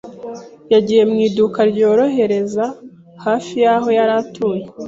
yagiye mu iduka ryorohereza hafi y’aho yari atuye.